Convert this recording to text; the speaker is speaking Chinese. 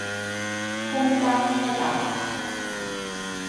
空丹车站。